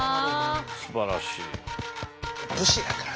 すばらしい。